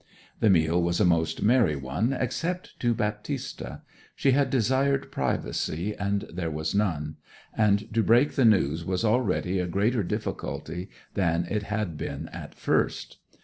The meal was a most merry one except to Baptista. She had desired privacy, and there was none; and to break the news was already a greater difficulty than it had been at first.